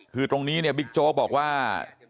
คือตรงนี้บิ๊กโจ้บอกว่า